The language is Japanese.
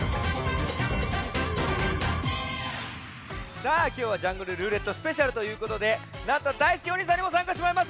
さあきょうは「ジャングルるーれっとスペシャル」ということでなんとだいすけおにいさんにもさんかしてもらいます。